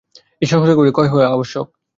এই সংস্কারগুলির ক্ষয় হওয়া আবশ্যক।